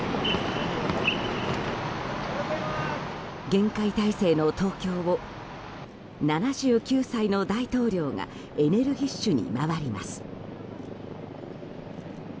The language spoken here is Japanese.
厳戒態勢の東京を７９歳の大統領がエネルギッシュに回ります。